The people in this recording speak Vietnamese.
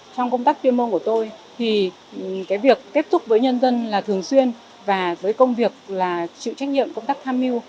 thế giới của tôi thì cái việc kết thúc với nhân dân là thường xuyên và với công việc là chịu trách nhiệm công tác tham mưu